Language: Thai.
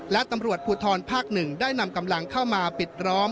และตำรวจภูทรภาค๑ได้นำกำลังเข้ามาปิดล้อม